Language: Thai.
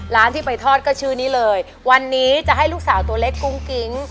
ร้านที่ไปทอดก็ชื่อนี้เลยวันนี้จะให้ลูกสาวตัวเล็กกุ้งกิ๊ง